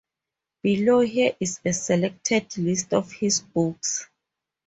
Below here is a selected list of his books.